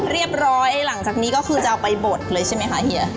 หลังจากนี้ก็คือจะเอาไปบดเลยใช่ไหมคะเฮีย